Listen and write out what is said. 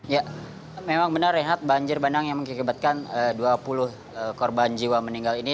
ya memang benar rehat banjir bandang yang mengakibatkan dua puluh korban jiwa meninggal ini